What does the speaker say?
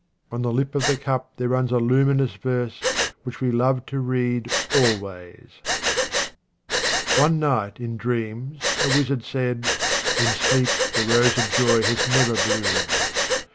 On the lip of the cup there runs a luminous verse which we love to read always. One night in dreams a wizard said, " In sleep the rose of joy has never bloomed.